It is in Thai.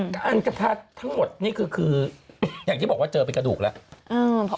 อันกระทะทั้งหมดนี่คืออย่างที่บอกว่าเจอเป็นกระดูกแล้ว